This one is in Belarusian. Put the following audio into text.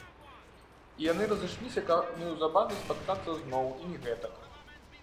І яны разышліся, каб неўзабаве спаткацца зноў, і не гэтак.